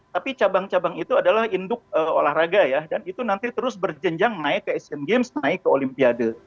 tapi cabang cabang itu adalah induk olahraga ya dan itu nanti terus berjenjang naik ke asian games naik ke olimpiade